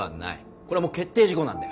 これはもう決定事項なんだよ。